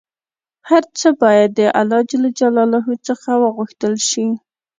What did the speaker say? هر څه باید د الله ﷻ څخه وغوښتل شي